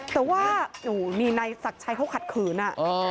แต่ว่านี่นายศักดิ์ชัยเขาขัดขืน